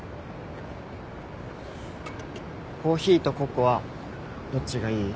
コーヒーとココアどっちがいい？